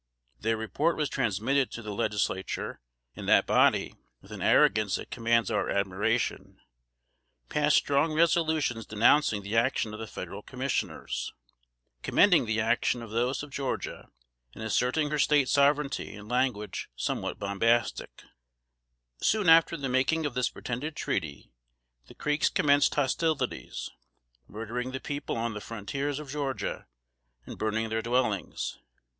Their report was transmitted to the Legislature, and that body, with an arrogance that commands our admiration, passed strong resolutions denouncing the action of the Federal Commissioners, commending the action of those of Georgia, and asserting her State sovereignty in language somewhat bombastic. [Sidenote: 1786.] [Sidenote: 1787.] Soon after the making of this pretended treaty, the Creeks commenced hostilities, murdering the people on the frontiers of Georgia, and burning their dwellings.